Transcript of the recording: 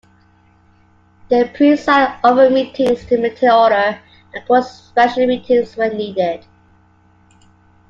They preside over meetings to maintain order, and call special meetings when needed.